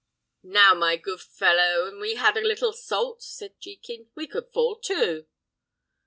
"Now, my good fellow, an we had a little salt," said Jekin, "we could fall to."